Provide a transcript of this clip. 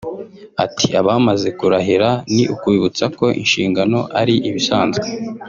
Ati “ abamaze kurahira ni ukubibutsa ko inshingano ari ibisanzwe